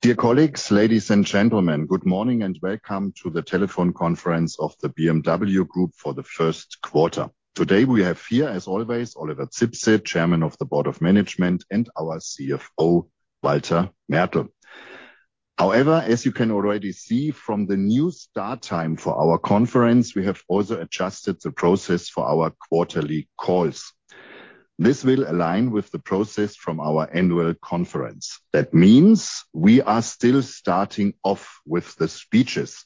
Dear colleagues, ladies and gentlemen, good morning and welcome to the telephone conference of the BMW Group for the first quarter. Today we have here, as always, Oliver Zipse, Chairman of the Board of Management, and our CFO, Walter Mertl. However, as you can already see from the new start time for our conference, we have also adjusted the process for our quarterly calls. This will align with the process from our annual conference. That means we are still starting off with the speeches.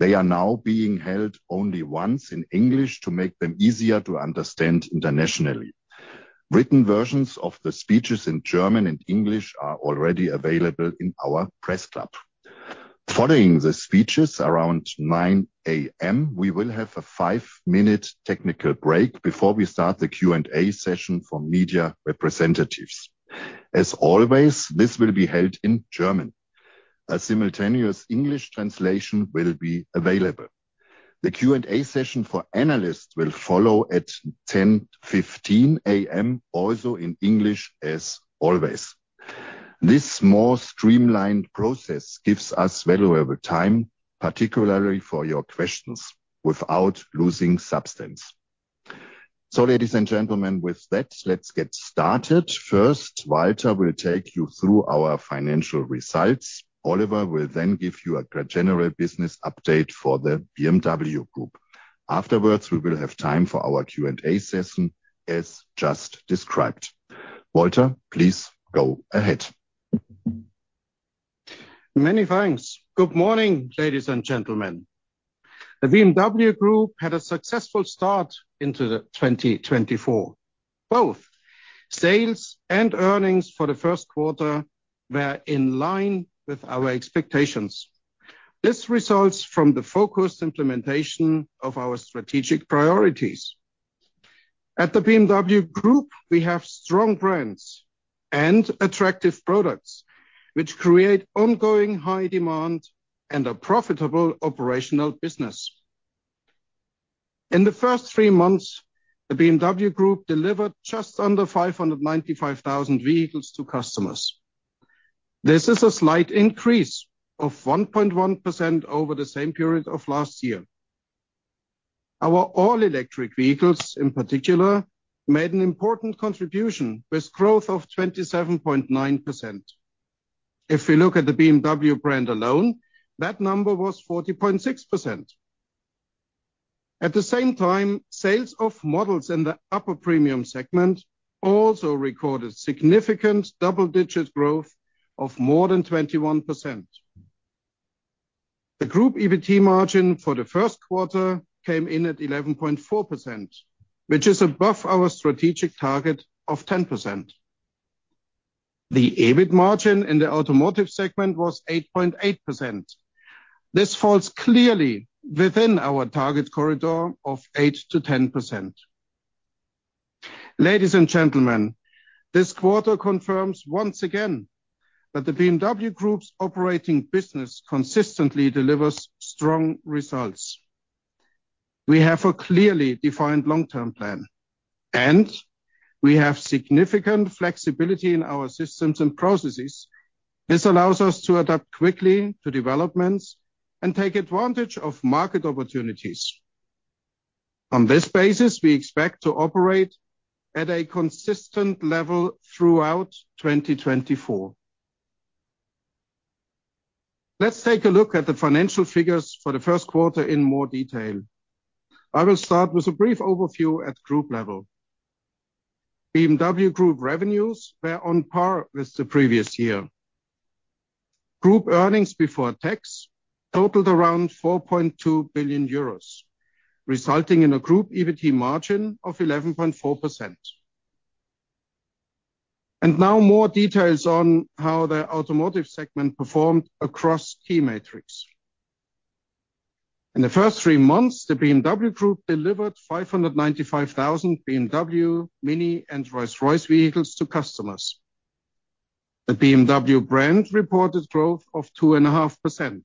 They are now being held only once in English to make them easier to understand internationally. Written versions of the speeches in German and English are already available in our press club. Following the speeches, around 9:00 A.M., we will have a 5-minute technical break before we start the Q&A session for media representatives. As always, this will be held in German. A simultaneous English translation will be available. The Q&A session for analysts will follow at 10:15 A.M., also in English as always. This more streamlined process gives us valuable time, particularly for your questions, without losing substance. So, ladies and gentlemen, with that, let's get started. First, Walter will take you through our financial results. Oliver will then give you a general business update for the BMW Group. Afterwards, we will have time for our Q&A session, as just described. Walter, please go ahead. Many thanks. Good morning, ladies and gentlemen. The BMW Group had a successful start into 2024. Both sales and earnings for the first quarter were in line with our expectations. This results from the focused implementation of our strategic priorities. At the BMW Group, we have strong brands and attractive products, which create ongoing high demand and a profitable operational business. In the first three months, the BMW Group delivered just under 595,000 vehicles to customers. This is a slight increase of 1.1% over the same period of last year. Our all-electric vehicles, in particular, made an important contribution with growth of 27.9%. If we look at the BMW brand alone, that number was 40.6%. At the same time, sales of models in the upper premium segment also recorded significant double-digit growth of more than 21%. The group EBITDA margin for the first quarter came in at 11.4%, which is above our strategic target of 10%. The EBIT margin in the automotive segment was 8.8%. This falls clearly within our target corridor of 8%-10%. Ladies and gentlemen, this quarter confirms once again that the BMW Group's operating business consistently delivers strong results. We have a clearly defined long-term plan, and we have significant flexibility in our systems and processes. This allows us to adapt quickly to developments and take advantage of market opportunities. On this basis, we expect to operate at a consistent level throughout 2024. Let's take a look at the financial figures for the first quarter in more detail. I will start with a brief overview at group level. BMW Group revenues were on par with the previous year. Group earnings before tax totaled around 4.2 billion euros, resulting in a group EBITDA margin of 11.4%. Now more details on how the automotive segment performed across key metrics. In the first three months, the BMW Group delivered 595,000 BMW, MINI, and Rolls-Royce vehicles to customers. The BMW brand reported growth of 2.5%.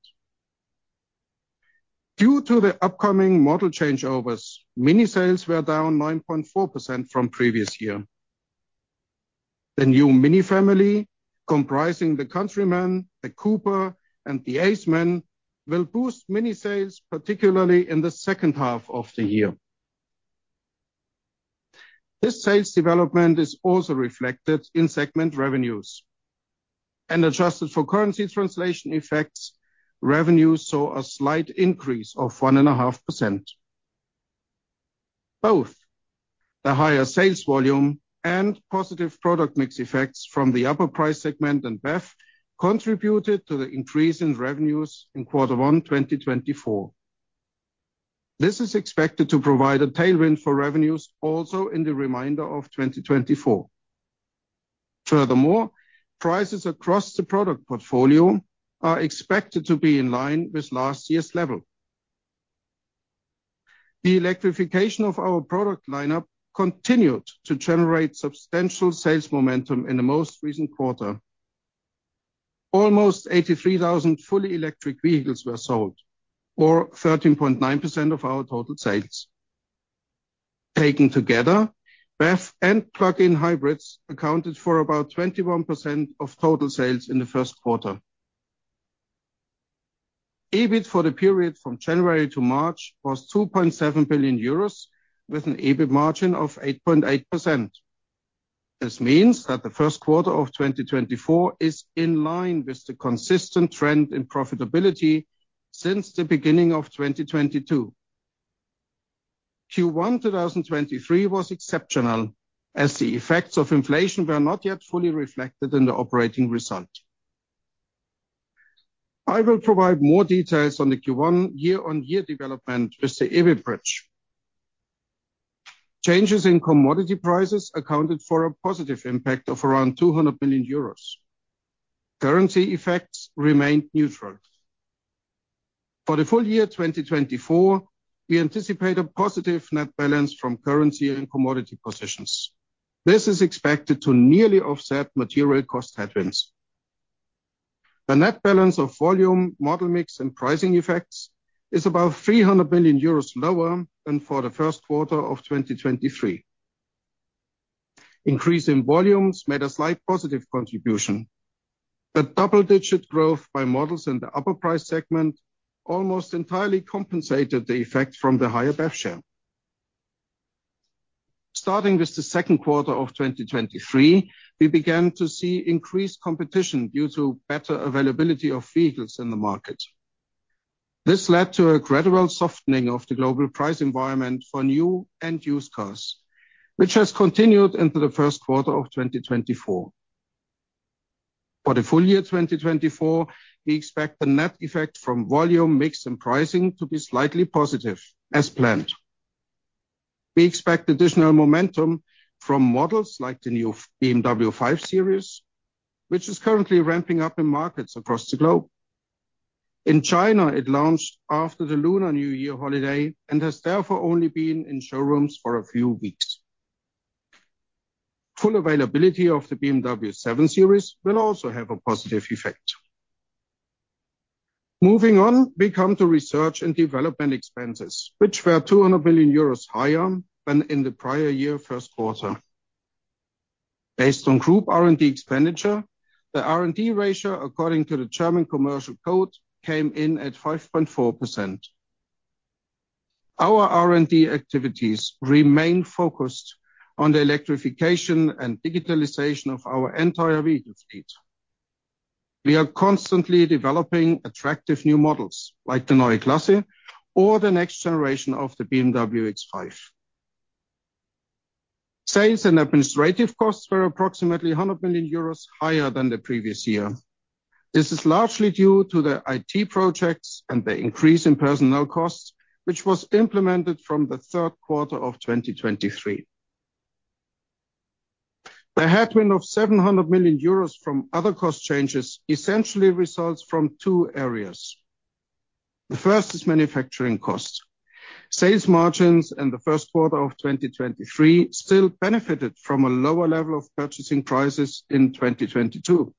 Due to the upcoming model changeovers, MINI sales were down 9.4% from previous year. The new MINI family, comprising the Countryman, the Cooper, and the Aceman, will boost MINI sales, particularly in the second half of the year. This sales development is also reflected in segment revenues. Adjusted for currency translation effects, revenues saw a slight increase of 1.5%. Both the higher sales volume and positive product mix effects from the upper price segment and BEV contributed to the increase in revenues in quarter one 2024. This is expected to provide a tailwind for revenues also in the remainder of 2024. Furthermore, prices across the product portfolio are expected to be in line with last year's level. The electrification of our product lineup continued to generate substantial sales momentum in the most recent quarter. Almost 83,000 fully electric vehicles were sold, or 13.9% of our total sales. Taken together, BEV and plug-in hybrids accounted for about 21% of total sales in the first quarter. EBIT for the period from January to March was 2.7 billion euros, with an EBIT margin of 8.8%. This means that the first quarter of 2024 is in line with the consistent trend in profitability since the beginning of 2022. Q1 2023 was exceptional, as the effects of inflation were not yet fully reflected in the operating result. I will provide more details on the Q1 year-on-year development with the EBIT bridge. Changes in commodity prices accounted for a positive impact of around 200 million euros. Currency effects remained neutral. For the full year 2024, we anticipate a positive net balance from currency and commodity positions. This is expected to nearly offset material cost headwinds. The net balance of volume, model mix, and pricing effects is about 300 million euros lower than for the first quarter of 2023. Increase in volumes made a slight positive contribution. The double-digit growth by models in the upper price segment almost entirely compensated the effect from the higher BEV share. Starting with the second quarter of 2023, we began to see increased competition due to better availability of vehicles in the market. This led to a gradual softening of the global price environment for new and used cars, which has continued into the first quarter of 2024. For the full year 2024, we expect the net effect from volume, mix, and pricing to be slightly positive, as planned. We expect additional momentum from models like the new BMW 5 Series, which is currently ramping up in markets across the globe. In China, it launched after the Lunar New Year holiday and has therefore only been in showrooms for a few weeks. Full availability of the BMW 7 Series will also have a positive effect. Moving on, we come to research and development expenses, which were 200 million euros higher than in the prior year first quarter. Based on group R&D expenditure, the R&D ratio according to the German commercial code came in at 5.4%. Our R&D activities remain focused on the electrification and digitalization of our entire vehicle fleet. We are constantly developing attractive new models like the Neue Klasse or the next generation of the BMW X5. Sales and administrative costs were approximately 100 million euros higher than the previous year. This is largely due to the IT projects and the increase in personnel costs, which was implemented from the third quarter of 2023. The headwind of 700 million euros from other cost changes essentially results from two areas. The first is manufacturing costs. Sales margins in the first quarter of 2023 still benefited from a lower level of purchasing prices in 2022.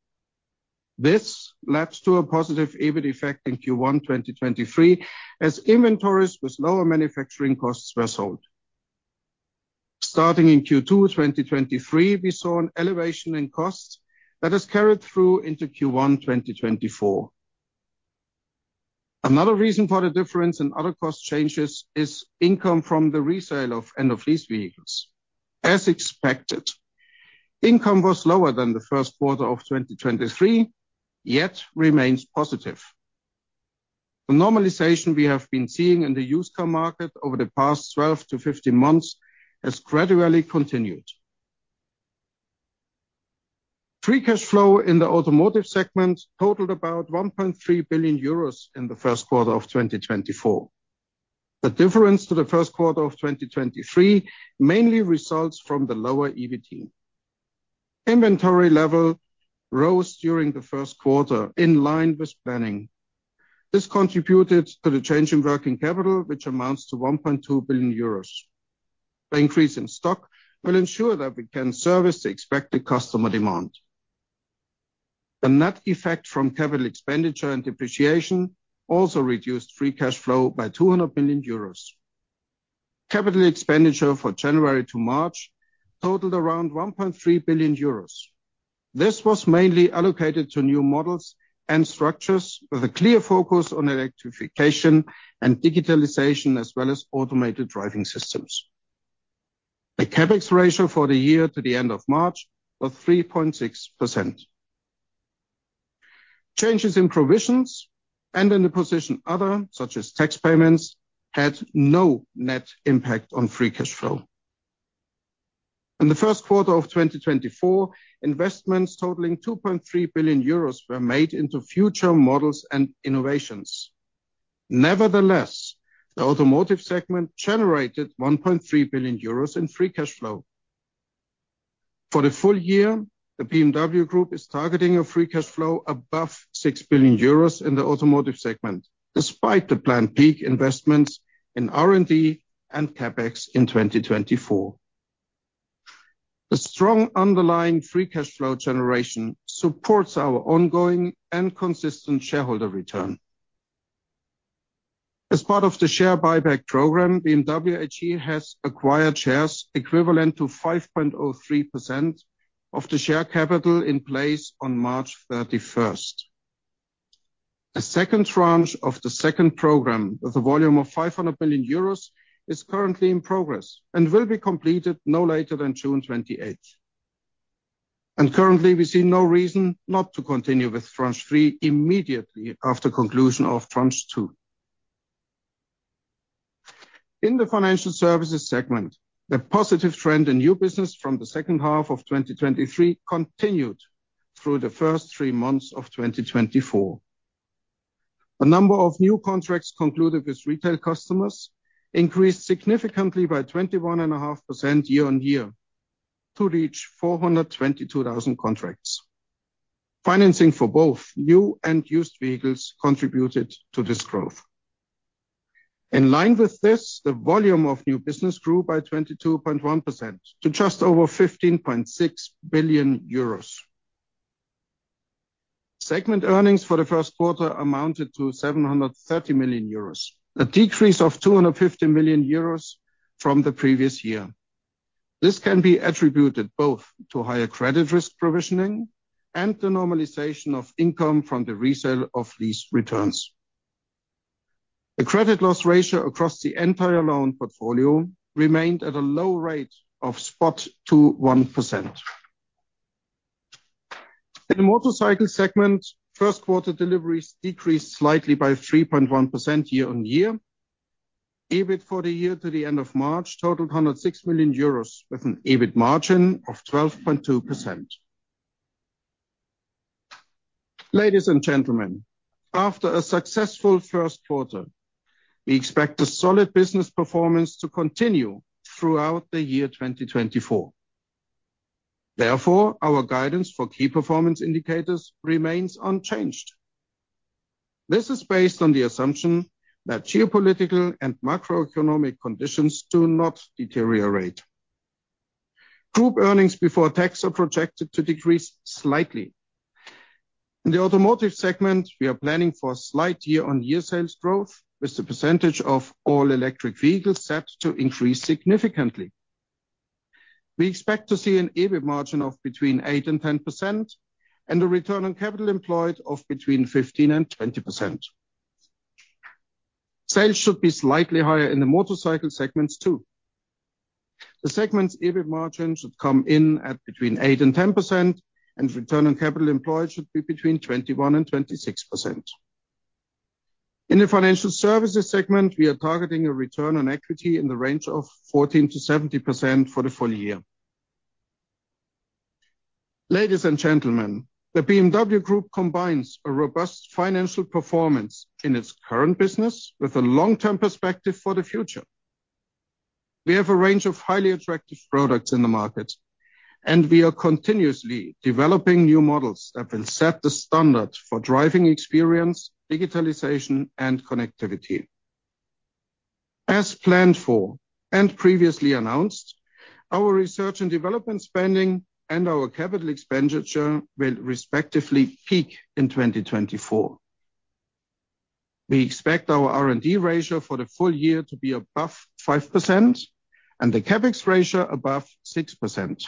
This led to a positive EBIT effect in Q1 2023, as inventories with lower manufacturing costs were sold. Starting in Q2 2023, we saw an elevation in costs that has carried through into Q1 2024. Another reason for the difference in other cost changes is income from the resale of end-of-lease vehicles. As expected, income was lower than the first quarter of 2023, yet remains positive. The normalization we have been seeing in the used car market over the past 12-15 months has gradually continued. Free cash flow in the automotive segment totaled about 1.3 billion euros in the first quarter of 2024. The difference to the first quarter of 2023 mainly results from the lower EBITDA. Inventory level rose during the first quarter in line with planning. This contributed to the change in working capital, which amounts to 1.2 billion euros. The increase in stock will ensure that we can service the expected customer demand. The net effect from capital expenditure and depreciation also reduced free cash flow by 200 million euros. Capital expenditure for January to March totaled around 1.3 billion euros. This was mainly allocated to new models and structures with a clear focus on electrification and digitalization as well as automated driving systems. The CAPEX ratio for the year to the end of March was 3.6%. Changes in provisions and in the position other, such as tax payments, had no net impact on free cash flow. In the first quarter of 2024, investments totaling 2.3 billion euros were made into future models and innovations. Nevertheless, the automotive segment generated 1.3 billion euros in free cash flow. For the full year, the BMW Group is targeting a free cash flow above 6 billion euros in the automotive segment, despite the planned peak investments in R&D and CAPEX in 2024. The strong underlying free cash flow generation supports our ongoing and consistent shareholder return. As part of the share buyback program, BMW AG has acquired shares equivalent to 5.03% of the share capital in place on March 31st. A second tranche of the second program with a volume of 500 million euros is currently in progress and will be completed no later than June 28th. Currently, we see no reason not to continue with tranche three immediately after conclusion of tranche two. In the financial services segment, the positive trend in new business from the second half of 2023 continued through the first three months of 2024. The number of new contracts concluded with retail customers increased significantly by 21.5% year-over-year to reach 422,000 contracts. Financing for both new and used vehicles contributed to this growth. In line with this, the volume of new business grew by 22.1% to just over 15.6 billion euros. Segment earnings for the first quarter amounted to 730 million euros, a decrease of 250 million euros from the previous year. This can be attributed both to higher credit risk provisioning and the normalization of income from the resale of lease returns. The credit loss ratio across the entire loan portfolio remained at a low rate of about 2.1%. In the motorcycle segment, first quarter deliveries decreased slightly by 3.1% year-on-year. EBIT for the year to the end of March totaled 106 million euros with an EBIT margin of 12.2%. Ladies and gentlemen, after a successful first quarter, we expect a solid business performance to continue throughout the year 2024. Therefore, our guidance for key performance indicators remains unchanged. This is based on the assumption that geopolitical and macroeconomic conditions do not deteriorate. Group earnings before tax are projected to decrease slightly. In the automotive segment, we are planning for slight year-on-year sales growth, with the percentage of all-electric vehicles set to increase significantly. We expect to see an EBIT margin of between 8%-10% and a return on capital employed of between 15%-20%. Sales should be slightly higher in the motorcycle segments too. The segments' EBIT margin should come in at between 8%-10%, and return on capital employed should be between 21%-26%. In the financial services segment, we are targeting a return on equity in the range of 14%-17% for the full year. Ladies and gentlemen, the BMW Group combines a robust financial performance in its current business with a long-term perspective for the future. We have a range of highly attractive products in the market, and we are continuously developing new models that will set the standard for driving experience, digitalization, and connectivity. As planned for and previously announced, our research and development spending and our capital expenditure will respectively peak in 2024. We expect our R&D ratio for the full year to be above 5% and the CAPEX ratio above 6%.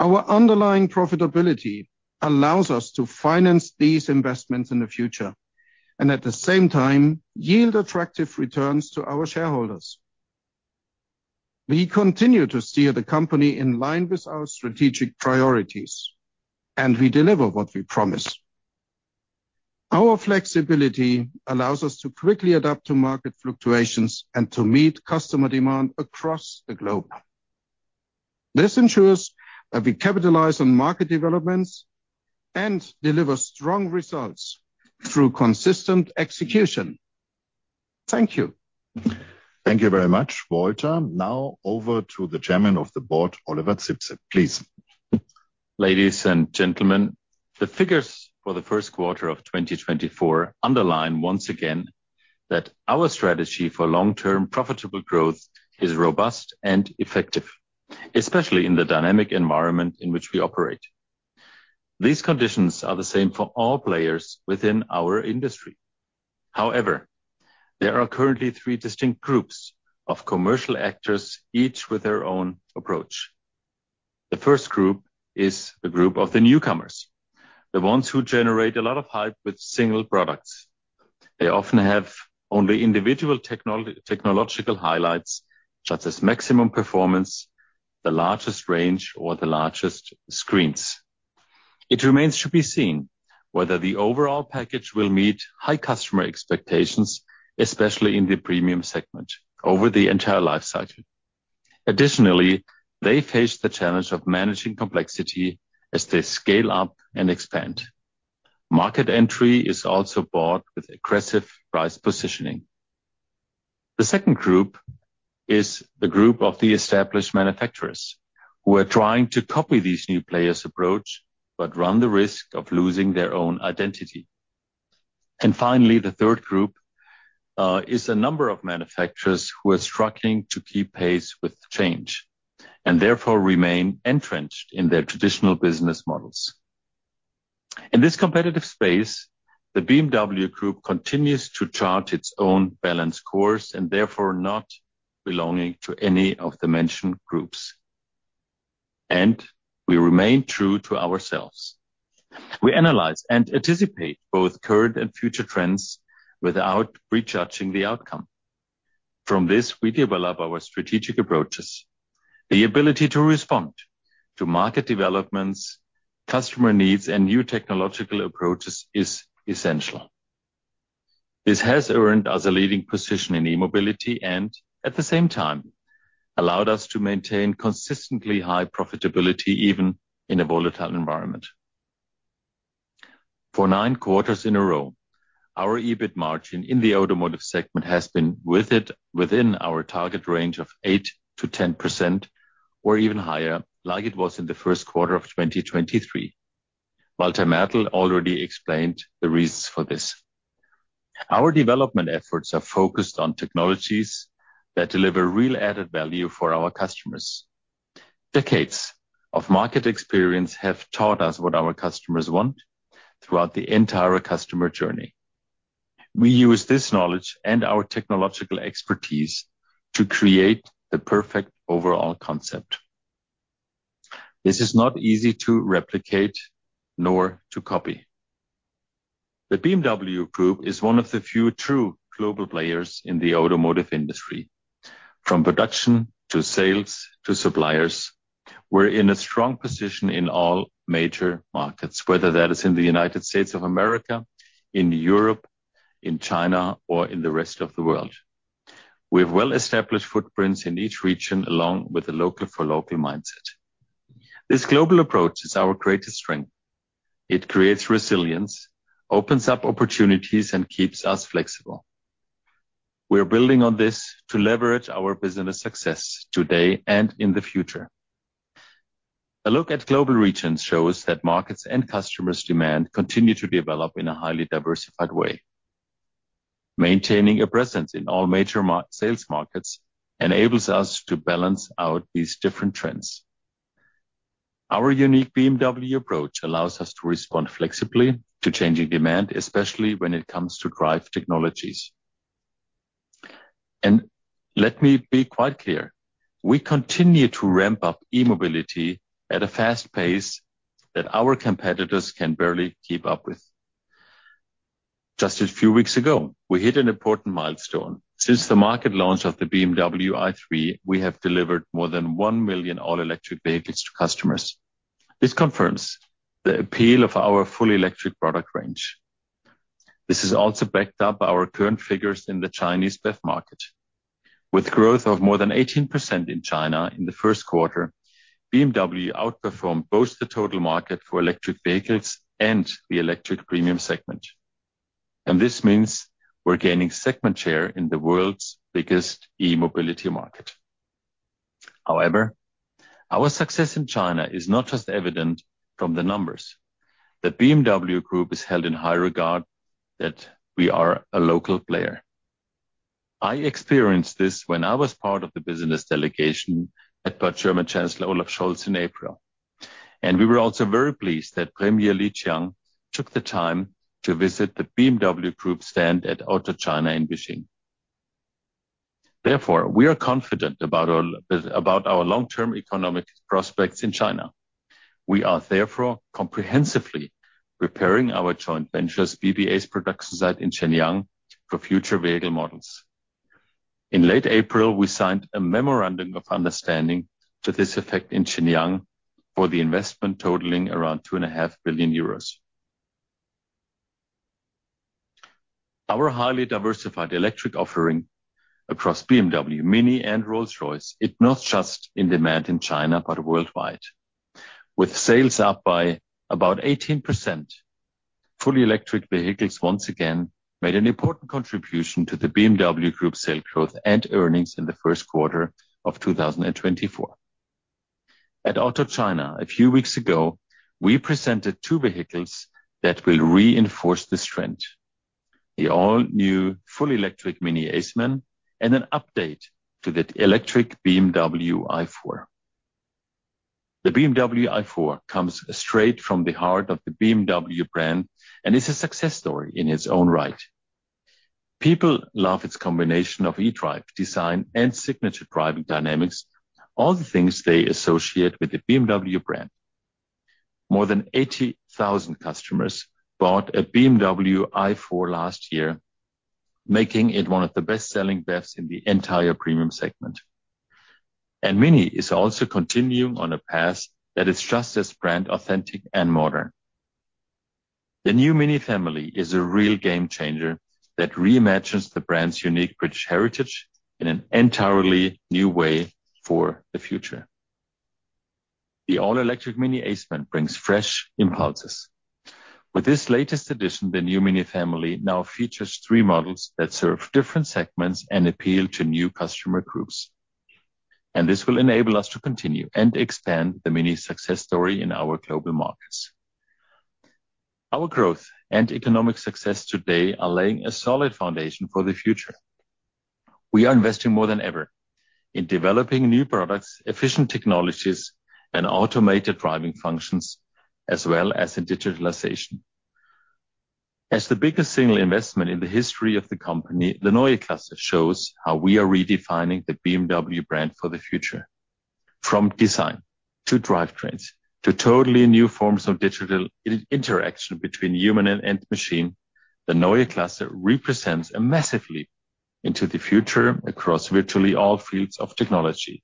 Our underlying profitability allows us to finance these investments in the future and, at the same time, yield attractive returns to our shareholders. We continue to steer the company in line with our strategic priorities, and we deliver what we promise. Our flexibility allows us to quickly adapt to market fluctuations and to meet customer demand across the globe. This ensures that we capitalize on market developments and deliver strong results through consistent execution. Thank you. Thank you very much, Walter. Now over to the Chairman of the Board, Oliver Zipse, please. Ladies and gentlemen, the figures for the first quarter of 2024 underline once again that our strategy for long-term profitable growth is robust and effective, especially in the dynamic environment in which we operate. These conditions are the same for all players within our industry. However, there are currently three distinct groups of commercial actors, each with their own approach. The first group is the group of the newcomers, the ones who generate a lot of hype with single products. They often have only individual technological highlights such as maximum performance, the largest range, or the largest screens. It remains to be seen whether the overall package will meet high customer expectations, especially in the premium segment, over the entire lifecycle. Additionally, they face the challenge of managing complexity as they scale up and expand. Market entry is also bought with aggressive price positioning. The second group is the group of the established manufacturers who are trying to copy these new players' approach but run the risk of losing their own identity. Finally, the third group is a number of manufacturers who are struggling to keep pace with change and therefore remain entrenched in their traditional business models. In this competitive space, the BMW Group continues to chart its own balanced course and therefore not belonging to any of the mentioned groups. We remain true to ourselves. We analyze and anticipate both current and future trends without prejudging the outcome. From this, we develop our strategic approaches. The ability to respond to market developments, customer needs, and new technological approaches is essential. This has earned us a leading position in e-mobility and, at the same time, allowed us to maintain consistently high profitability even in a volatile environment. For nine quarters in a row, our EBIT margin in the automotive segment has been within our target range of 8%-10% or even higher, like it was in the first quarter of 2023. Walter Mertl already explained the reasons for this. Our development efforts are focused on technologies that deliver real added value for our customers. Decades of market experience have taught us what our customers want throughout the entire customer journey. We use this knowledge and our technological expertise to create the perfect overall concept. This is not easy to replicate nor to copy. The BMW Group is one of the few true global players in the automotive industry. From production to sales to suppliers, we're in a strong position in all major markets, whether that is in the United States of America, in Europe, in China, or in the rest of the world. We have well-established footprints in each region along with a local-for-local mindset. This global approach is our greatest strength. It creates resilience, opens up opportunities, and keeps us flexible. We are building on this to leverage our business success today and in the future. A look at global regions shows that markets and customers' demand continue to develop in a highly diversified way. Maintaining a presence in all major sales markets enables us to balance out these different trends. Our unique BMW approach allows us to respond flexibly to changing demand, especially when it comes to drive technologies. Let me be quite clear: we continue to ramp up e-mobility at a fast pace that our competitors can barely keep up with. Just a few weeks ago, we hit an important milestone. Since the market launch of the BMW i3, we have delivered more than 1 million all-electric vehicles to customers. This confirms the appeal of our fully electric product range. This is also backed up by our current figures in the Chinese BEV market. With growth of more than 18% in China in the first quarter, BMW outperformed both the total market for electric vehicles and the electric premium segment. And this means we're gaining segment share in the world's biggest e-mobility market. However, our success in China is not just evident from the numbers. The BMW Group is held in high regard that we are a local player. I experienced this when I was part of the business delegation with German Chancellor Olaf Scholz in April. We were also very pleased that Premier Li Qiang took the time to visit the BMW Group stand at Auto China in Beijing. Therefore, we are confident about our long-term economic prospects in China. We are therefore comprehensively preparing our joint ventures, BBA's production site in Shenyang, for future vehicle models. In late April, we signed a memorandum of understanding to this effect in Shenyang for the investment totaling around 2.5 billion euros. Our highly diversified electric offering across BMW, MINI, and Rolls-Royce is not just in demand in China but worldwide. With sales up by about 18%, fully electric vehicles once again made an important contribution to the BMW Group sales growth and earnings in the first quarter of 2024. At Auto China, a few weeks ago, we presented two vehicles that will reinforce this trend: the all-new fully electric MINI Aceman and an update to the electric BMW i4. The BMW i4 comes straight from the heart of the BMW brand and is a success story in its own right. People love its combination of eDrive, design, and signature driving dynamics, all the things they associate with the BMW brand. More than 80,000 customers bought a BMW i4 last year, making it one of the best-selling BEVs in the entire premium segment. And MINI is also continuing on a path that is just as brand authentic and modern. The new MINI family is a real game-changer that reimagines the brand's unique British heritage in an entirely new way for the future. The all-electric MINI Aceman brings fresh impulses. With this latest addition, the new MINI family now features three models that serve different segments and appeal to new customer groups. This will enable us to continue and expand the MINI success story in our global markets. Our growth and economic success today are laying a solid foundation for the future. We are investing more than ever in developing new products, efficient technologies, and automated driving functions, as well as in digitalization. As the biggest single investment in the history of the company, the Neue Klasse shows how we are redefining the BMW brand for the future. From design to drivetrains to totally new forms of digital interaction between human and machine, the Neue Klasse represents a massive leap into the future across virtually all fields of technology.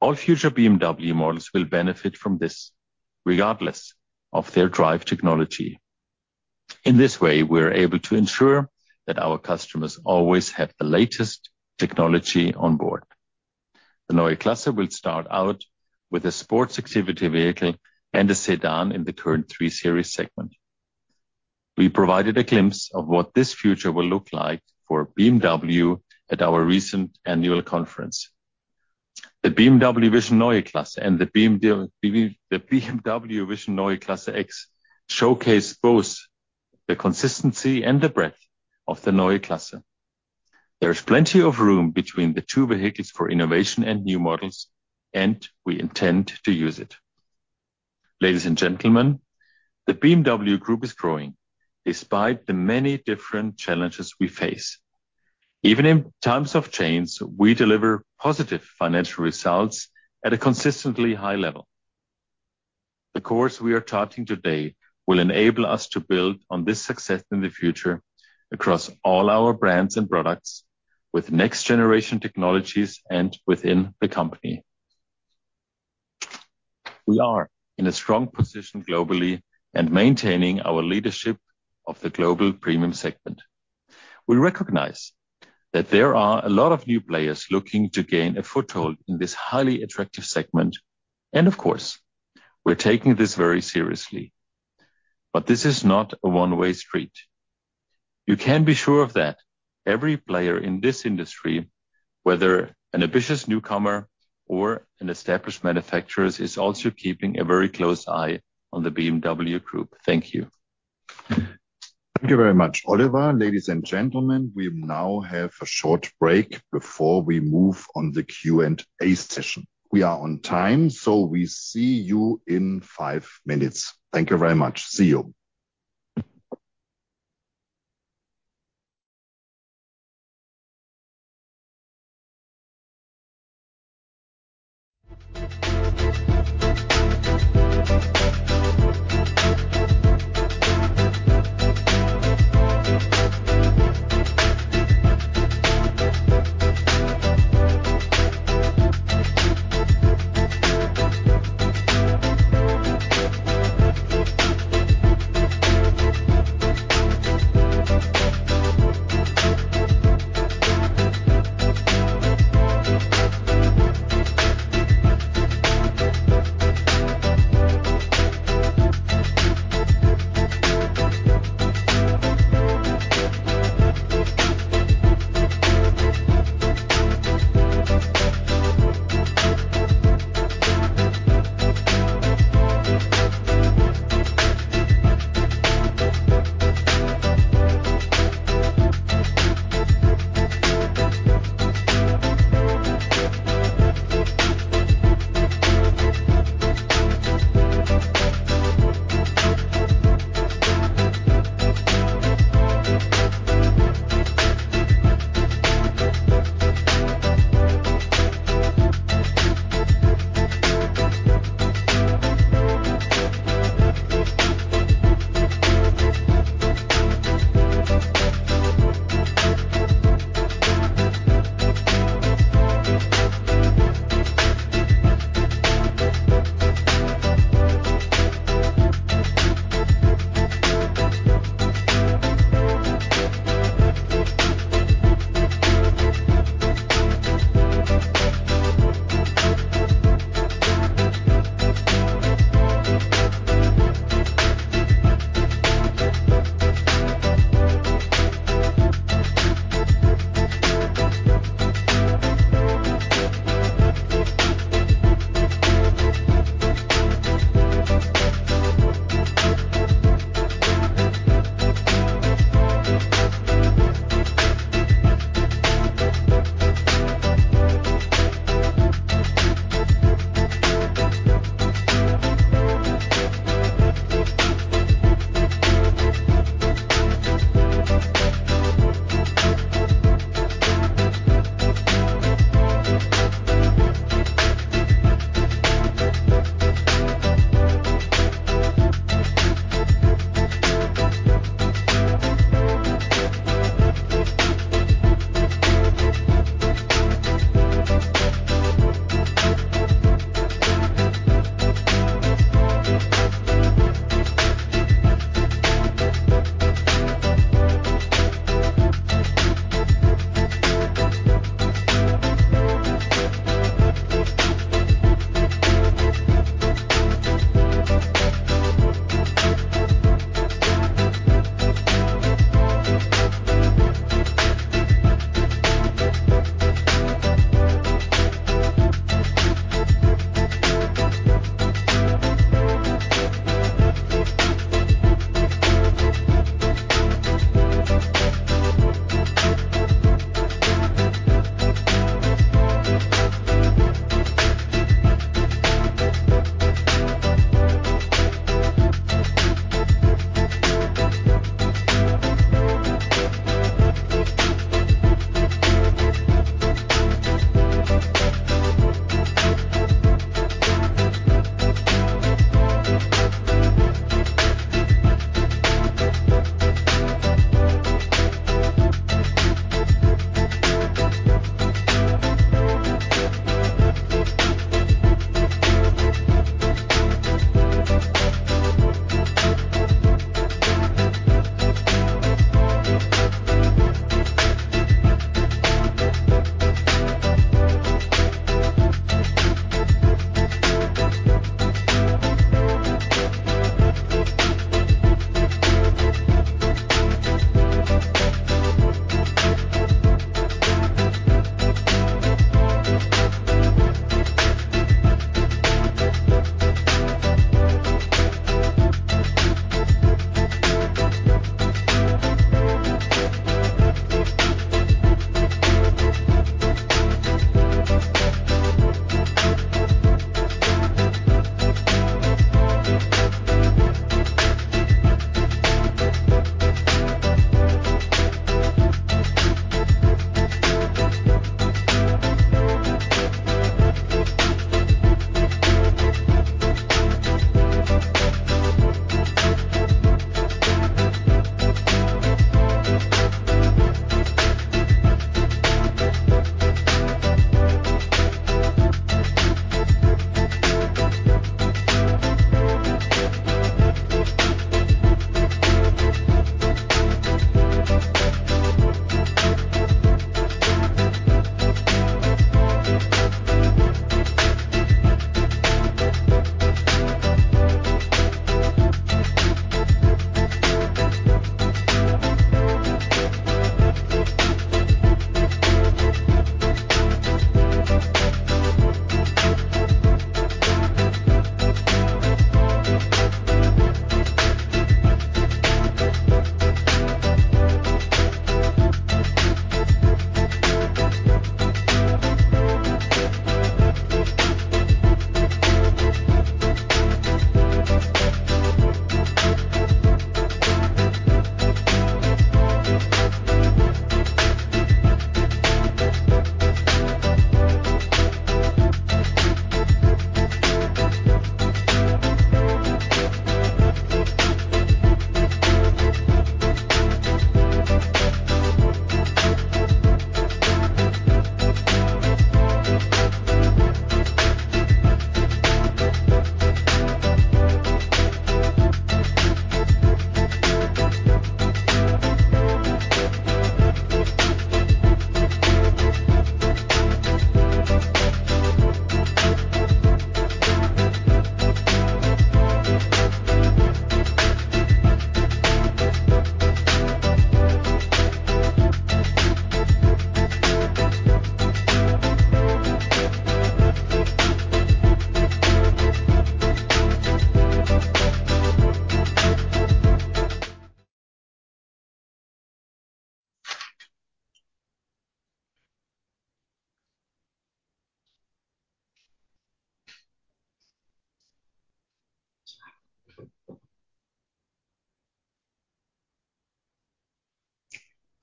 All future BMW models will benefit from this regardless of their drive technology. In this way, we are able to ensure that our customers always have the latest technology on board. The Neue Klasse will start out with a sports executive vehicle and a sedan in the current 3 Series segment. We provided a glimpse of what this future will look like for BMW at our recent annual conference. The BMW Vision Neue Klasse and the BMW Vision Neue Klasse X showcase both the consistency and the breadth of the Neue Klasse. There is plenty of room between the two vehicles for innovation and new models, and we intend to use it. Ladies and gentlemen, the BMW Group is growing despite the many different challenges we face. Even in times of change, we deliver positive financial results at a consistently high level. The course we are charting today will enable us to build on this success in the future across all our brands and products with next-generation technologies and within the company. We are in a strong position globally and maintaining our leadership of the global premium segment. We recognize that there are a lot of new players looking to gain a foothold in this highly attractive segment, and of course, we're taking this very seriously. But this is not a one-way street. You can be sure of that. Every player in this industry, whether an ambitious newcomer or an established manufacturer, is also keeping a very close eye on the BMW Group. Thank you. Thank you very much, Oliver. Ladies and gentlemen, we now have a short break before we move on to the Q&A session. We are on time, so we see you in five minutes. Thank you very much. See you.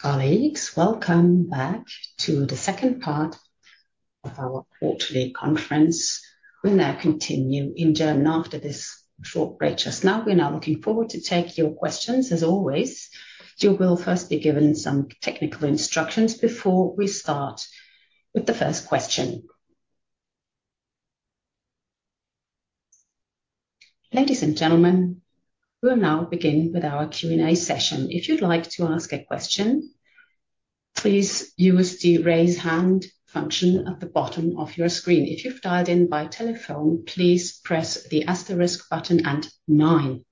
Colleagues, welcome back to the second part of our quarterly conference. We now continue in German after this short break just now. We are now looking forward to taking your questions, as always. You will first be given some technical instructions before we start with the first question. Ladies and gentlemen, we will now begin with our Q&A session. If you'd like to ask a question, please use the raise hand function at the bottom of your screen. If you've dialed in by telephone, please press the asterisk button and 9.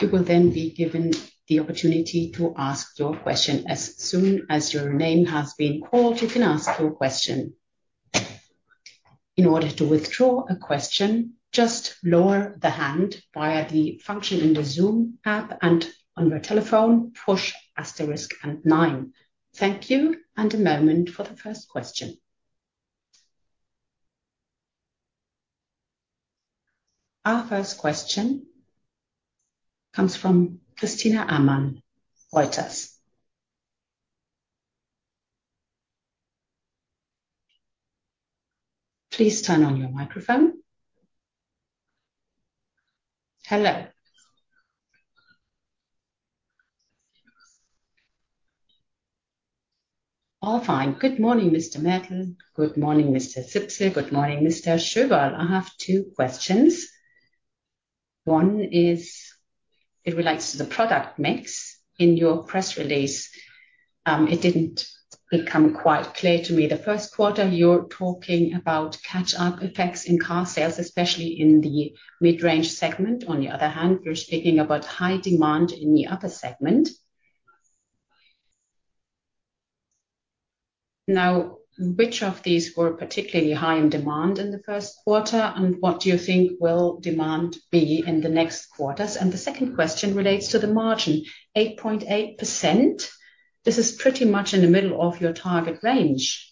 You will then be given the opportunity to ask your question. As soon as your name has been called, you can ask your question. In order to withdraw a question, just lower the hand via the function in the Zoom app and, on your telephone, push asterisk and 9. Thank you, and a moment for the first question. Our first question comes from Christina Amann, Reuters. Please turn on your microphone. Hello. All fine. Good morning, Mr. Mertl. Good morning, Mr. Zipse. Good morning, Mr. Schöberl. I have two questions. One is it relates to the product mix. In your press release, it didn't become quite clear to me the first quarter. You're talking about catch-up effects in car sales, especially in the mid-range segment. On the other hand, you're speaking about high demand in the upper segment. Now, which of these were particularly high in demand in the first quarter, and what do you think will demand be in the next quarters? And the second question relates to the margin, 8.8%. This is pretty much in the middle of your target range.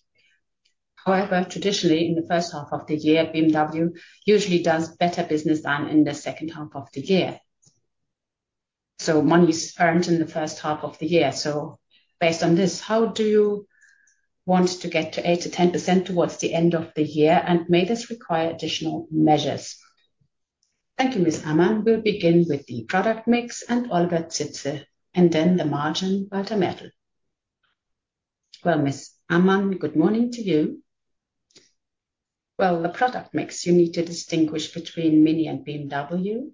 However, traditionally, in the first half of the year, BMW usually does better business than in the second half of the year. So money's earned in the first half of the year. So based on this, how do you want to get to 8%-10% towards the end of the year, and may this require additional measures? Thank you, Ms. Amann. We'll begin with the product mix and Oliver Zipse, and then the margin, Walter Mertl. Well, Ms. Amann, good morning to you. Well, the product mix, you need to distinguish between MINI and BMW.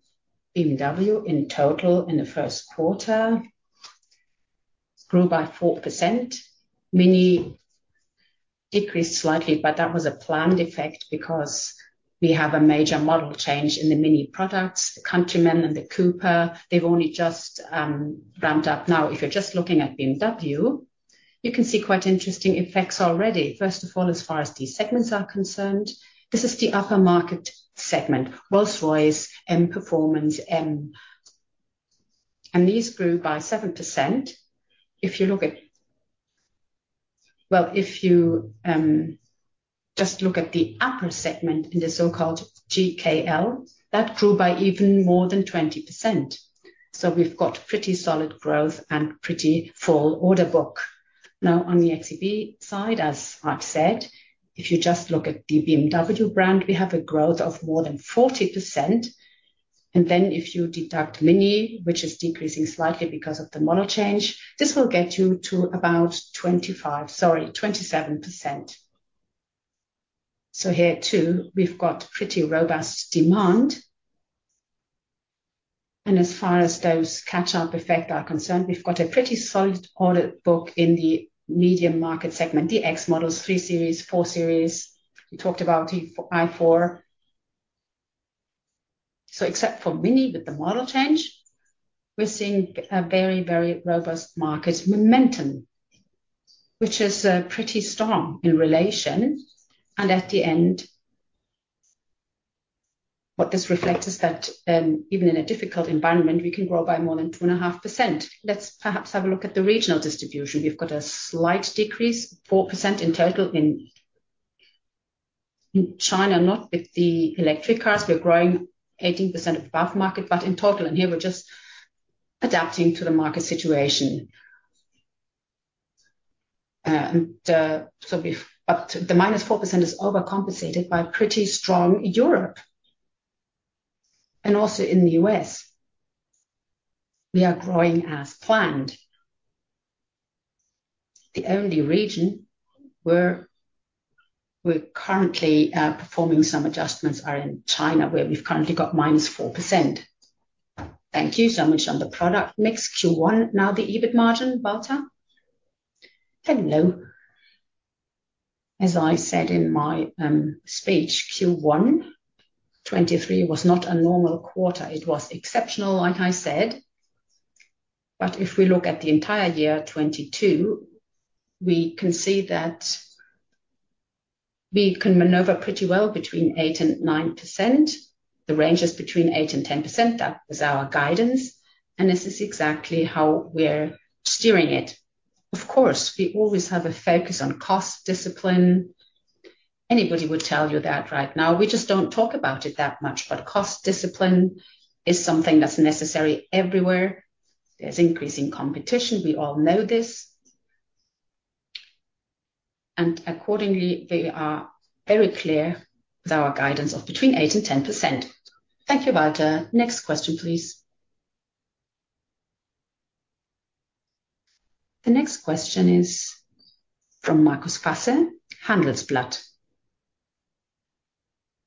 BMW, in total, in the first quarter, grew by 4%. MINI decreased slightly, but that was a planned effect because we have a major model change in the MINI products. The Countryman and the Cooper, they've only just ramped up. Now, if you're just looking at BMW, you can see quite interesting effects already. First of all, as far as the segments are concerned, this is the upper market segment, Rolls-Royce, M Performance, M. And these grew by 7%. If you look at well, if you just look at the upper segment in the so-called GKL, that grew by even more than 20%. So we've got pretty solid growth and pretty full order book. Now, on the xEV side, as I've said, if you just look at the BMW brand, we have a growth of more than 40%. And then if you deduct Mini, which is decreasing slightly because of the model change, this will get you to about 25 sorry, 27%. So here, too, we've got pretty robust demand. And as far as those catch-up effects are concerned, we've got a pretty solid order book in the medium market segment, the X models, 3 Series, 4 Series. We talked about the i4. So except for Mini with the model change, we're seeing a very, very robust market momentum, which is pretty strong in relation. And at the end, what this reflects is that even in a difficult environment, we can grow by more than 2.5%. Let's perhaps have a look at the regional distribution. We've got a slight decrease, 4% in total, in China, not with the electric cars. We're growing 18% above market, but in total. And here, we're just adapting to the market situation. But the -4% is overcompensated by pretty strong Europe and also in the U.S. We are growing as planned. The only region where we're currently performing some adjustments are in China, where we've currently got -4%. Thank you so much on the product mix. Q1, now the EBIT margin, Walter. Hello. As I said in my speech, Q1 2023 was not a normal quarter. It was exceptional, like I said. But if we look at the entire year 2022, we can see that we can maneuver pretty well between 8% and 9%. The range is between 8% and 10%. That was our guidance. And this is exactly how we're steering it. Of course, we always have a focus on cost discipline. Anybody would tell you that right now. We just don't talk about it that much. But cost discipline is something that's necessary everywhere. There's increasing competition. We all know this. And accordingly, we are very clear with our guidance of between 8% and 10%. Thank you, Walter. Next question, please. The next question is from Markus Fasse, Handelsblatt.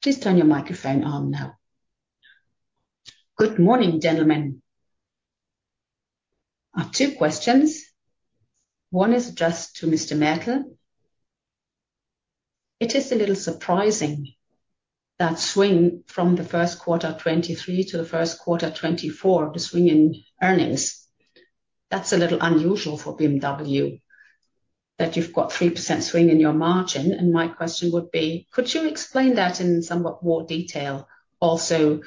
Please turn your microphone on now. Good morning, gentlemen. Our two questions. One is just to Mr. Mertl. It is a little surprising that swing from the first quarter 2023 to the first quarter 2024, the swing in earnings. That's a little unusual for BMW, that you've got 3% swing in your margin. And my question would be, could you explain that in somewhat more detail, also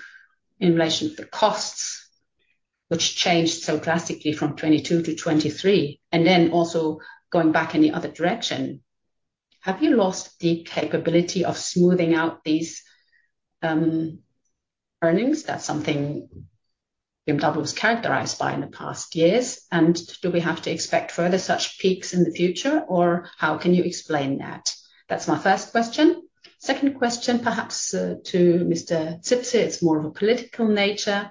in relation to the costs, which changed so drastically from 2022 to 2023, and then also going back in the other direction? Have you lost the capability of smoothing out these earnings? That's something BMW was characterized by in the past years. And do we have to expect further such peaks in the future, or how can you explain that? That's my first question. Second question, perhaps to Mr. Zipse. It's more of a political nature.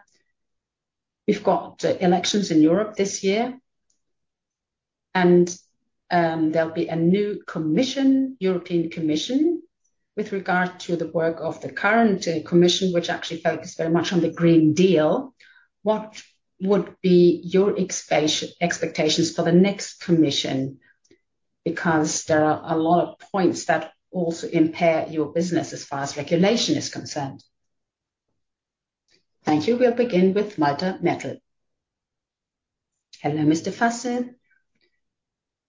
We've got elections in Europe this year, and there'll be a new commission, European Commission, with regard to the work of the current commission, which actually focuses very much on the Green Deal. What would be your expectations for the next commission? Because there are a lot of points that also impair your business as far as regulation is concerned. Thank you. We'll begin with Walter Mertl. Hello, Mr. Fasse.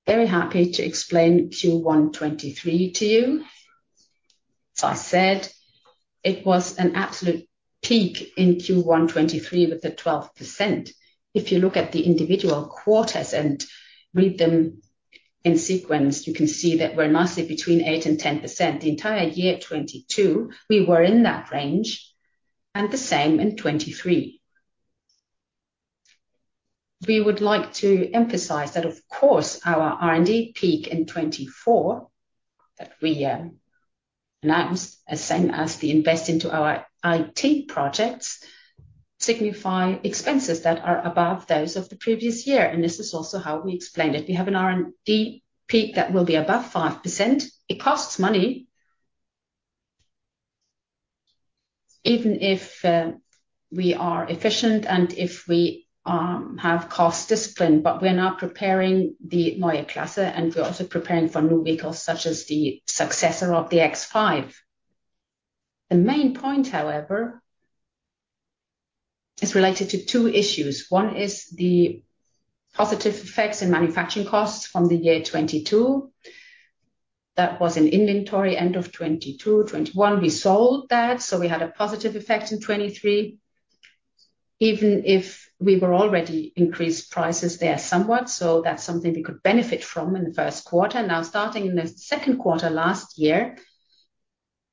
Very happy to explain Q1 2023 to you. As I said, it was an absolute peak in Q1 2023 with the 12%. If you look at the individual quarters and read them in sequence, you can see that we're nicely between 8% and 10%. The entire year 2022, we were in that range, and the same in 2023. We would like to emphasize that, of course, our R&D peak in 2024 that we announced, the same as the investment into our IT projects, signify expenses that are above those of the previous year. This is also how we explained it. We have an R&D peak that will be above 5%. It costs money, even if we are efficient and if we have cost discipline. We are now preparing the Neue Klasse, and we're also preparing for new vehicles such as the successor of the X5. The main point, however, is related to two issues. One is the positive effects in manufacturing costs from the year 2022. That was an inventory end of 2022, 2021. We sold that, so we had a positive effect in 2023, even if we were already increased prices there somewhat. That's something we could benefit from in the first quarter. Now, starting in the second quarter last year,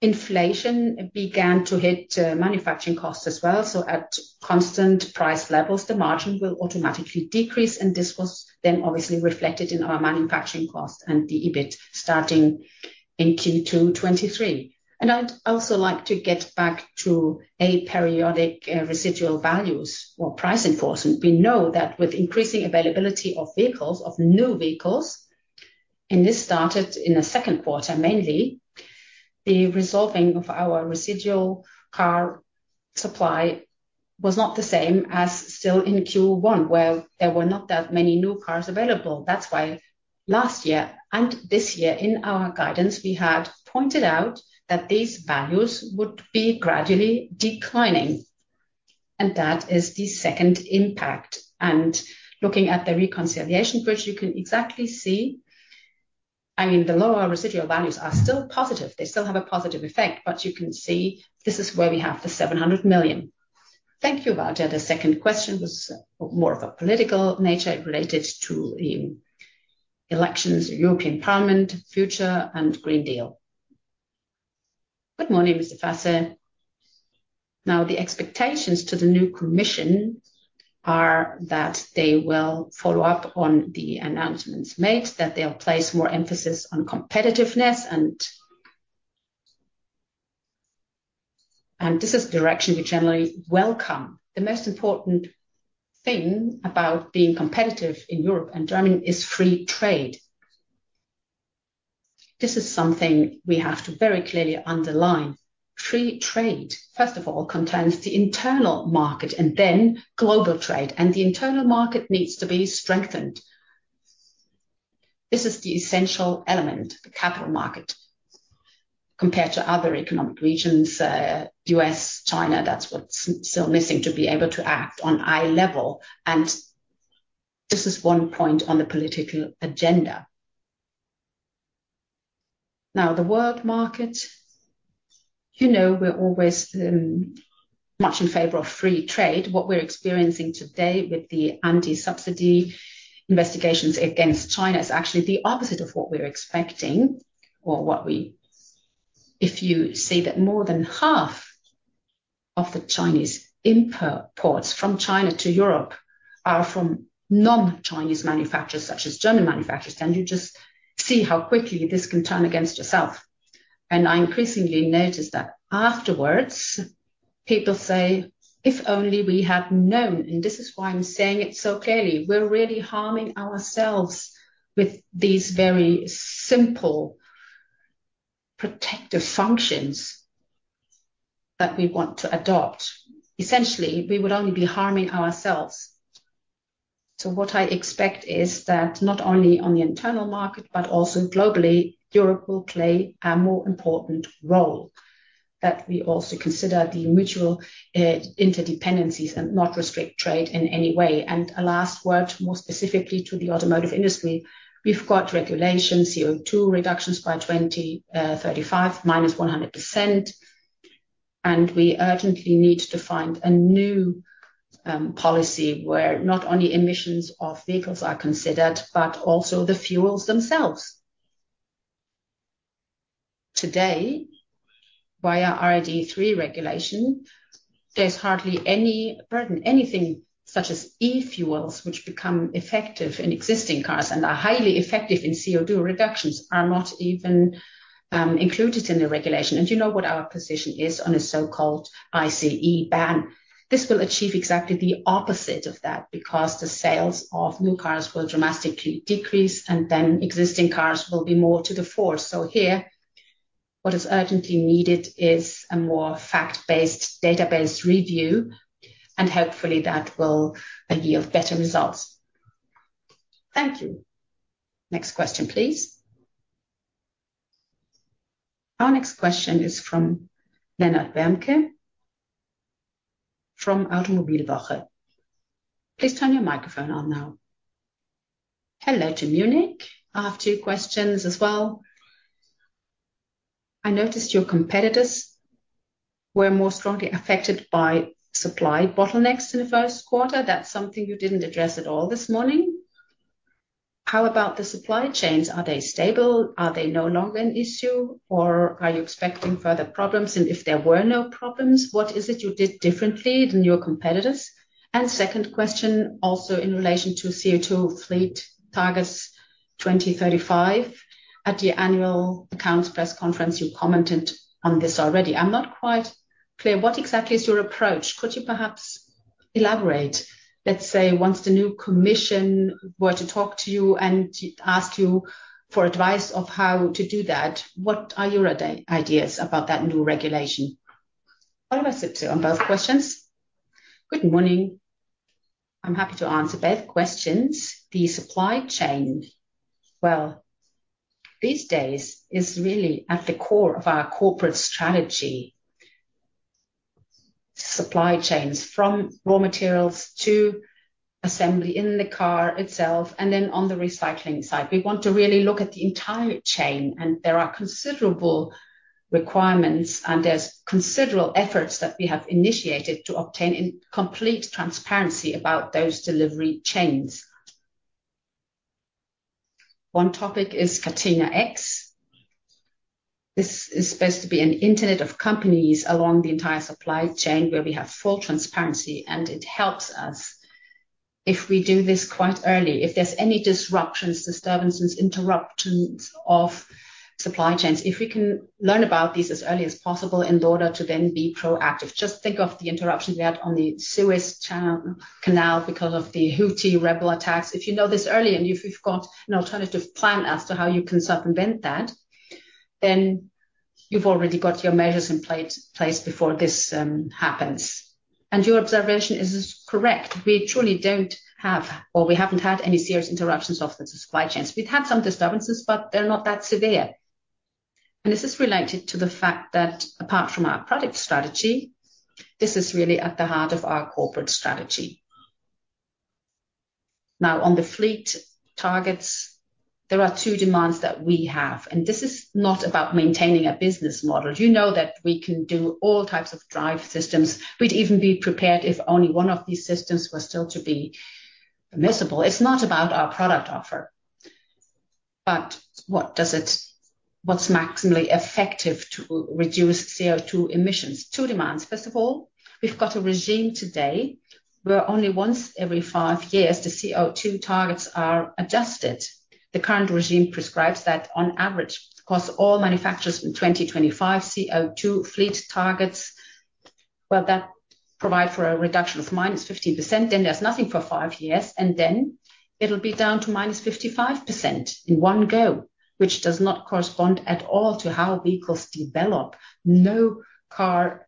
inflation began to hit manufacturing costs as well. So at constant price levels, the margin will automatically decrease. And this was then obviously reflected in our manufacturing costs and the EBIT starting in Q2 2023. And I'd also like to get back to periodic residual values or price enforcement. We know that with increasing availability of vehicles, of new vehicles, and this started in the second quarter mainly, the resolving of our residual car supply was not the same as still in Q1, where there were not that many new cars available. That's why last year and this year, in our guidance, we had pointed out that these values would be gradually declining. And that is the second impact. And looking at the reconciliation bridge, you can exactly see I mean, the lower residual values are still positive. They still have a positive effect. But you can see this is where we have the 700 million. Thank you, Walter. The second question was more of a political nature, related to the elections, European Parliament, future, and Green Deal. Good morning, Mr. Fasse. Now, the expectations to the new commission are that they will follow up on the announcements made, that they'll place more emphasis on competitiveness. And this is a direction we generally welcome. The most important thing about being competitive in Europe and Germany is free trade. This is something we have to very clearly underline. Free trade, first of all, contains the internal market and then global trade. And the internal market needs to be strengthened. This is the essential element, the capital market, compared to other economic regions, the U.S., China. That's what's still missing, to be able to act on a high level. This is one point on the political agenda. Now, the world market, you know we're always much in favor of free trade. What we're experiencing today with the anti-subsidy investigations against China is actually the opposite of what we're expecting or what we, if you see that more than half of the Chinese imports from China to Europe are from non-Chinese manufacturers such as German manufacturers, then you just see how quickly this can turn against yourself. I increasingly notice that afterwards, people say, "If only we had known." This is why I'm saying it so clearly. We're really harming ourselves with these very simple protective functions that we want to adopt. Essentially, we would only be harming ourselves. What I expect is that not only on the internal market, but also globally, Europe will play a more important role, that we also consider the mutual interdependencies and not restrict trade in any way. A last word, more specifically to the automotive industry. We've got regulations, CO2 reductions by 2035, -100%. We urgently need to find a new policy where not only emissions of vehicles are considered, but also the fuels themselves. Today, via RED3 regulation, there's hardly any burden. Anything such as e-fuels, which become effective in existing cars and are highly effective in CO2 reductions, are not even included in the regulation. You know what our position is on a so-called ICE ban. This will achieve exactly the opposite of that because the sales of new cars will dramatically decrease, and then existing cars will be more to the force. So here, what is urgently needed is a more fact-based, database review. Hopefully, that will yield better results. Thank you. Next question, please. Our next question is from Lennart Wermke from Automobilwoche. Please turn your microphone on now. Hello to Munich. I have two questions as well. I noticed your competitors were more strongly affected by supply bottlenecks in the first quarter. That's something you didn't address at all this morning. How about the supply chains? Are they stable? Are they no longer an issue, or are you expecting further problems? If there were no problems, what is it you did differently than your competitors? Second question, also in relation to CO2 fleet targets 2035. At the annual accounts press conference, you commented on this already. I'm not quite clear. What exactly is your approach? Could you perhaps elaborate? Let's say once the new commission were to talk to you and ask you for advice of how to do that, what are your ideas about that new regulation? Oliver Zipse on both questions. Good morning. I'm happy to answer both questions. The supply chain, well, these days, is really at the core of our corporate strategy, supply chains from raw materials to assembly in the car itself and then on the recycling side. We want to really look at the entire chain. And there are considerable requirements, and there's considerable efforts that we have initiated to obtain complete transparency about those delivery chains. One topic is Catena-X. This is supposed to be an internet of companies along the entire supply chain where we have full transparency. And it helps us if we do this quite early, if there's any disruptions, disturbances, interruptions of supply chains, if we can learn about these as early as possible in order to then be proactive. Just think of the interruptions we had on the Suez Canal because of the Houthi rebel attacks. If you know this early and if you've got an alternative plan as to how you can circumvent that, then you've already got your measures in place before this happens. And your observation is correct. We truly don't have or we haven't had any serious interruptions of the supply chains. We've had some disturbances, but they're not that severe. And this is related to the fact that apart from our product strategy, this is really at the heart of our corporate strategy. Now, on the fleet targets, there are two demands that we have. And this is not about maintaining a business model. You know that we can do all types of drive systems. We'd even be prepared if only one of these systems was still to be permissible. It's not about our product offer. But what's maximally effective to reduce CO2 emissions? Two demands. First of all, we've got a regime today where only once every five years, the CO2 targets are adjusted. The current regime prescribes that on average, across all manufacturers in 2025, CO2 fleet targets, well, that provide for a reduction of -15%. Then there's nothing for five years, and then it'll be down to -55% in one go, which does not correspond at all to how vehicles develop. No car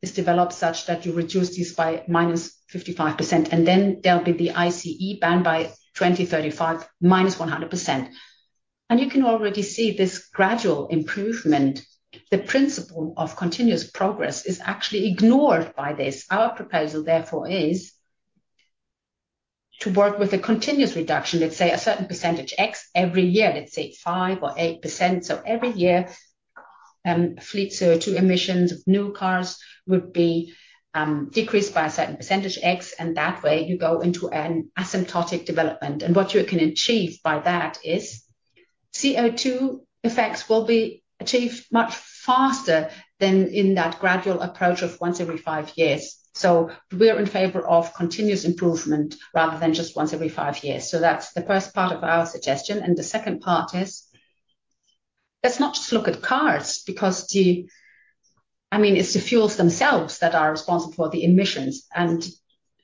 is developed such that you reduce these by -55%. And then there'll be the ICE ban by 2035, -100%. You can already see this gradual improvement. The principle of continuous progress is actually ignored by this. Our proposal, therefore, is to work with a continuous reduction, let's say, a certain percentage X every year, let's say 5% or 8%. So every year, fleet CO2 emissions of new cars would be decreased by a certain percentage X. And that way, you go into an asymptotic development. And what you can achieve by that is CO2 effects will be achieved much faster than in that gradual approach of once every five years. So we're in favor of continuous improvement rather than just once every five years. So that's the first part of our suggestion. And the second part is let's not just look at cars because, I mean, it's the fuels themselves that are responsible for the emissions. And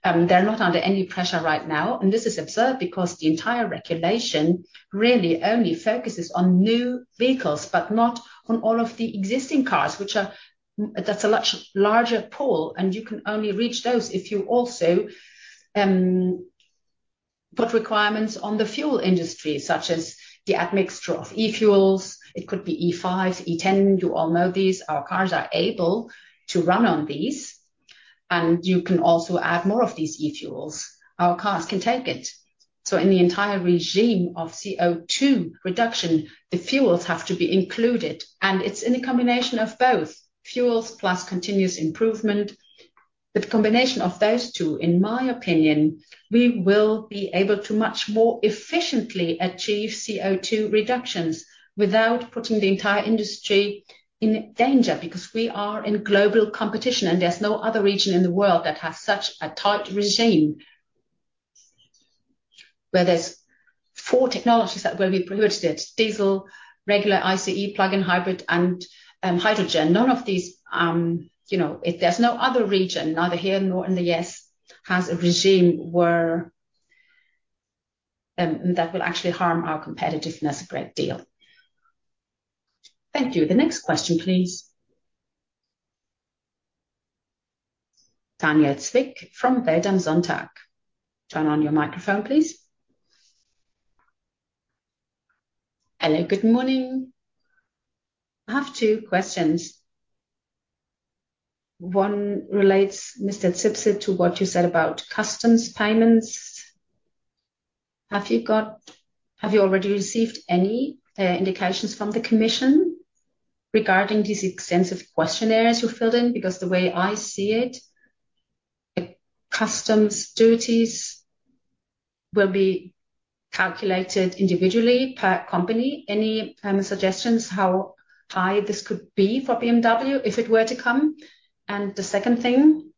they're not under any pressure right now. This is absurd because the entire regulation really only focuses on new vehicles but not on all of the existing cars, which are—that's a much larger pool. You can only reach those if you also put requirements on the fuel industry, such as the admixture of e-fuels. It could be E5s, E10s. You all know these. Our cars are able to run on these. You can also add more of these e-fuels. Our cars can take it. So in the entire regime of CO2 reduction, the fuels have to be included. It's in a combination of both fuels plus continuous improvement. The combination of those two, in my opinion, we will be able to much more efficiently achieve CO2 reductions without putting the entire industry in danger because we are in global competition. There's no other region in the world that has such a tight regime where there's four technologies that will be prohibited: diesel, regular ICE, plug-in hybrid, and hydrogen. None of these if there's no other region, neither here nor in the U.S., has a regime that will actually harm our competitiveness a great deal. Thank you. The next question, please. Tanja Zwick from Bild am Sonntag. Turn on your microphone, please. Hello. Good morning. I have two questions. One relates, Mr. Zipse, to what you said about customs payments. Have you already received any indications from the commission regarding these extensive questionnaires you filled in? Because the way I see it, customs duties will be calculated individually per company. Any suggestions how high this could be for BMW if it were to come? The second thing,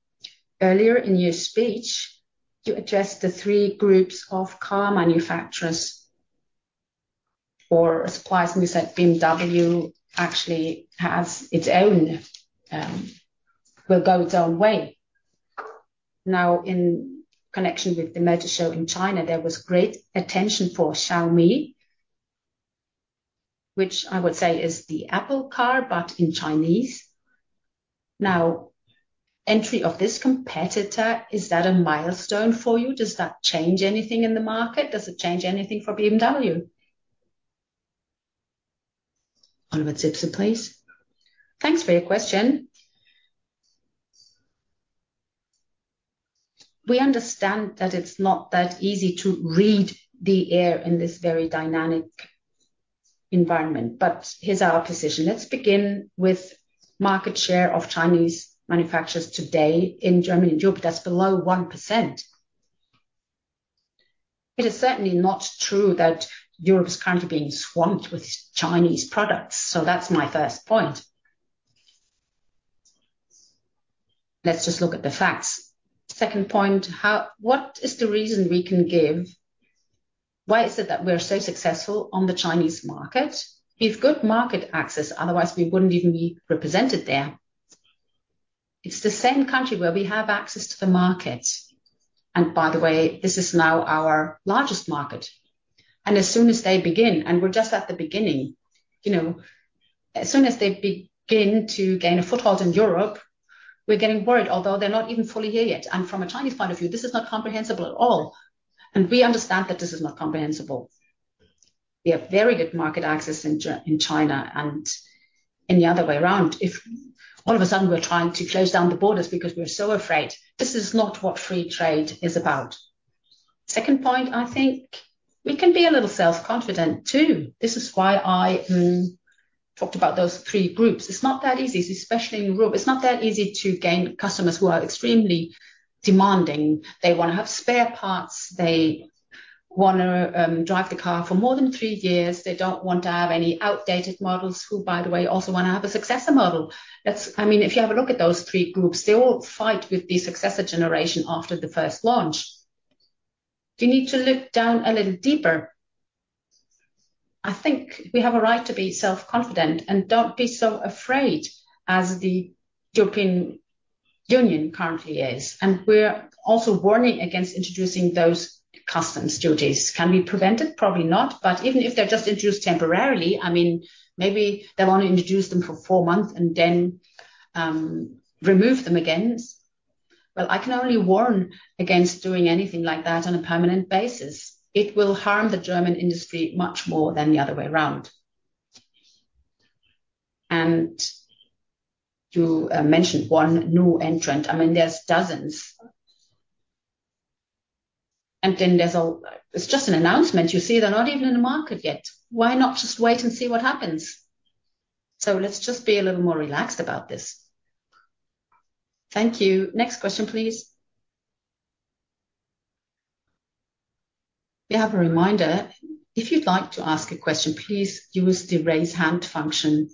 earlier in your speech, you addressed the three groups of car manufacturers or suppliers. And you said BMW actually will go its own way. Now, in connection with the Motor Show in China, there was great attention for Xiaomi, which I would say is the Apple car but in Chinese. Now, entry of this competitor, is that a milestone for you? Does that change anything in the market? Does it change anything for BMW? Oliver Zipse, please. Thanks for your question. We understand that it's not that easy to read the air in this very dynamic environment. But here's our position. Let's begin with market share of Chinese manufacturers today in Germany and Europe. That's below 1%. It is certainly not true that Europe is currently being swamped with Chinese products. So that's my first point. Let's just look at the facts. Second point, what is the reason we can give why is it that we're so successful on the Chinese market? We have good market access. Otherwise, we wouldn't even be represented there. It's the same country where we have access to the market. And by the way, this is now our largest market. And as soon as they begin and we're just at the beginning. As soon as they begin to gain a foothold in Europe, we're getting worried, although they're not even fully here yet. And from a Chinese point of view, this is not comprehensible at all. And we understand that this is not comprehensible. We have very good market access in China. And in the other way around, if all of a sudden, we're trying to close down the borders because we're so afraid, this is not what free trade is about. Second point, I think we can be a little self-confident too. This is why I talked about those three groups. It's not that easy, especially in Europe. It's not that easy to gain customers who are extremely demanding. They want to have spare parts. They want to drive the car for more than three years. They don't want to have any outdated models who, by the way, also want to have a successor model. I mean, if you have a look at those three groups, they all fight with the successor generation after the first launch. You need to look down a little deeper. I think we have a right to be self-confident and don't be so afraid as the European Union currently is. And we're also warning against introducing those customs duties. Can we prevent it? Probably not. But even if they're just introduced temporarily, I mean, maybe they want to introduce them for four months and then remove them again. Well, I can only warn against doing anything like that on a permanent basis. It will harm the German industry much more than the other way around. And you mentioned one new entrant. I mean, there's dozens. And then it's just an announcement. You see, they're not even in the market yet. Why not just wait and see what happens? So let's just be a little more relaxed about this. Thank you. Next question, please. We have a reminder. If you'd like to ask a question, please use the raise hand function.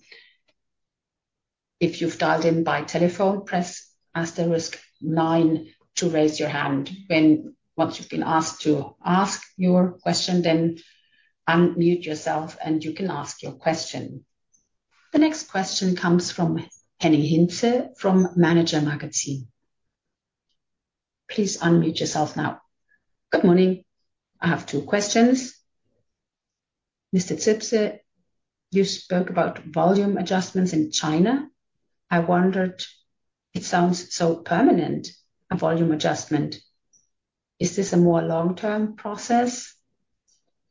If you've dialed in by telephone, press star one to raise your hand. Once you've been asked to ask your question, then unmute yourself, and you can ask your question. The next question comes from Henning Hintze from Manager Magazin. Please unmute yourself now. Good morning. I have two questions. Mr. Zipse, you spoke about volume adjustments in China. I wondered, it sounds so permanent, a volume adjustment. Is this a more long-term process?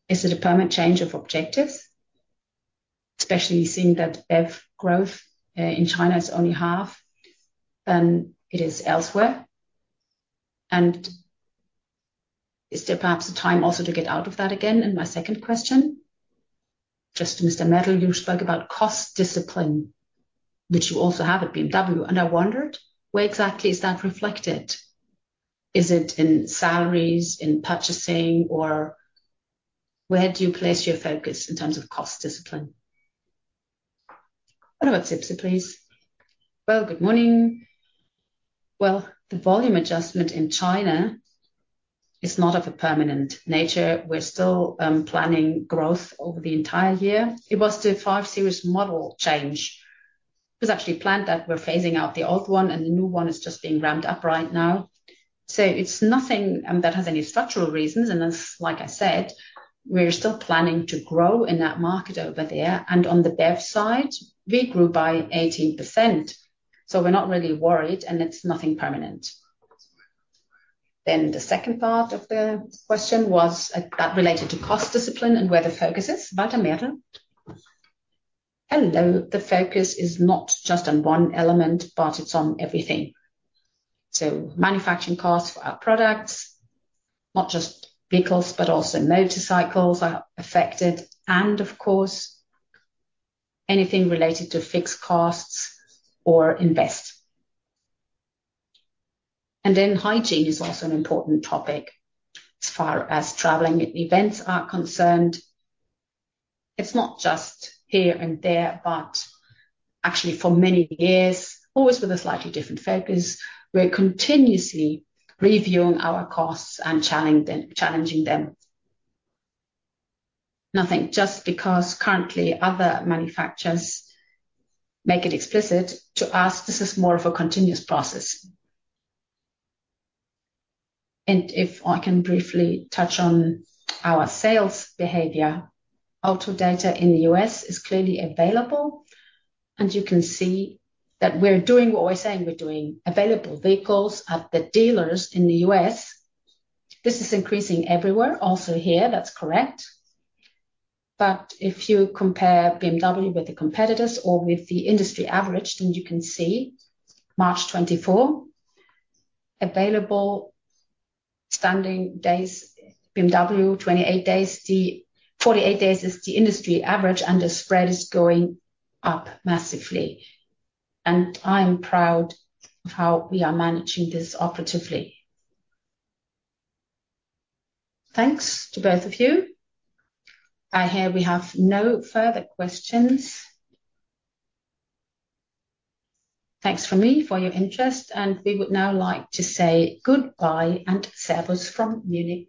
Is it a permanent change of objectives, especially seeing that growth in China is only half than it is elsewhere? And is there perhaps a time also to get out of that again? And my second question, just to Mr. Mertl, you spoke about cost discipline, which you also have at BMW. And I wondered, where exactly is that reflected? Is it in salaries, in purchasing, or where do you place your focus in terms of cost discipline? Oliver Zipse, please. Well, good morning. Well, the volume adjustment in China is not of a permanent nature. We're still planning growth over the entire year. It was the 5 Series model change. It was actually planned that we're phasing out the old one, and the new one is just being ramped up right now. So it's nothing that has any structural reasons. And as like I said, we're still planning to grow in that market over there. And on the BEV side, we grew by 18%. So we're not really worried, and it's nothing permanent. Then the second part of the question was that related to cost discipline and where the focus is. Walter Mertl. Hello. The focus is not just on one element, but it's on everything. So manufacturing costs for our products, not just vehicles but also motorcycles are affected, and of course, anything related to fixed costs or invest. And then hygiene is also an important topic as far as traveling events are concerned. It's not just here and there, but actually for many years, always with a slightly different focus, we're continuously reviewing our costs and challenging them. Nothing just because currently, other manufacturers make it explicit to us this is more of a continuous process. And if I can briefly touch on our sales behavior, Autodata in the U.S. is clearly available. And you can see that we're doing what we're saying we're doing. Available vehicles at the dealers in the U.S., this is increasing everywhere, also here. That's correct. But if you compare BMW with the competitors or with the industry average, then you can see March 2024, available standing days, BMW, 28 days. 48 days is the industry average, and the spread is going up massively. And I am proud of how we are managing this operatively. Thanks to both of you. I hear we have no further questions. Thanks from me for your interest. We would now like to say goodbye and servus from Munich.